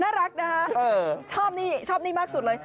น่ารักนะคะชอบนี่มากสุดเลย